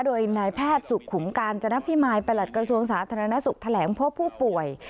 โดยนายแพทย์สุขุมกาญจนพิมายประหลัดกระทรวงสาธารณสุขแถลงพบผู้ป่วย